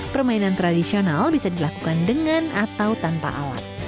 permainan tradisional bisa dilakukan dengan atau tanpa alat